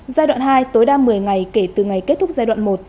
giai đoạn hai tối đa một mươi ngày kể từ ngày kết thúc giai đoạn một